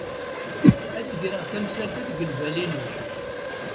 Ad d-greɣ tamsalt-a deg lbal-inu.